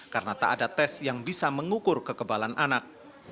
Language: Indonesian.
karena tak ada tes yang bisa mengukur kekebalan anak